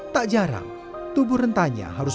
tak jarang tubuh rentanya harus